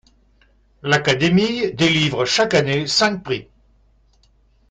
L'académie délivre chaque année cinq prix.